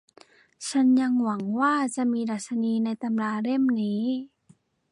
ฉันยังหวังว่าจะมีดัชนีในตำราเล่มนี้